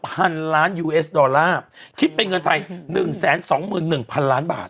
๓๔๙พันล้านยูเอสดอลลาร์คิดเป็นเงินไทย๑๒๑พันล้านบาท